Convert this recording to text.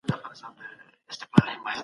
تاریخ تیر شوي درمل مه کاروئ.